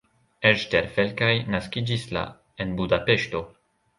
Eszter Felkai naskiĝis la en Budapeŝto.